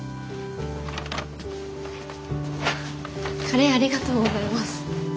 カレーありがとうございます。